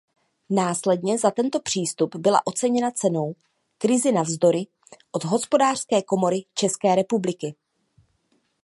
Následně za tento přístup byla oceněna cenou "Krizi navzdory" od Hospodářské komory České republiky.